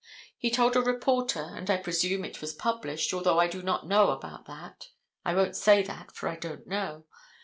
He told a reporter, and I presume it was published, although I do not know about that. I won't say that, for I don't know.